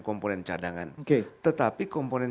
komponen cadangan tetapi komponen